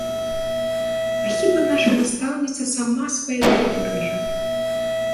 А хіба наша настаўніца сама свае дровы рэжа?